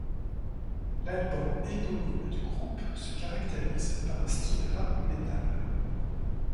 L'album éponyme du groupe se caractérise par un style rap metal.